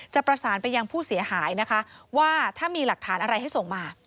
จะประสานไปยังผู้เสียหายนะคะว่าถ้ามีหลักฐานอะไรให้ส่งมา